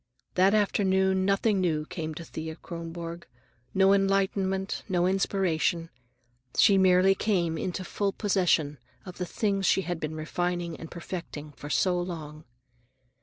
That afternoon nothing new came to Thea Kronborg, no enlightenment, no inspiration. She merely came into full possession of things she had been refining and perfecting for so long.